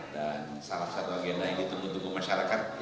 dan salah satu agenda yang ditunggu tunggu masyarakat